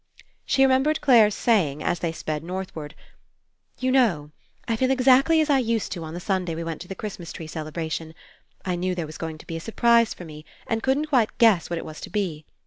She remembered Clare's saying, as they sped northward: "You know, I feel exactly as I used to on the Sunday we went to the Christ mas tree celebration. I knew there was to be a surprise for me and couldn't quite guess what it was to be.